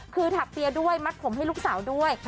คือถักเปียร์ด้วยมัดผมให้ลูกสาวด้วย